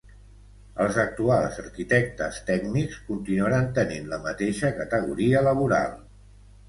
Els actuals arquitectes tècnics continuaran tenint la mateixa categoria laboral.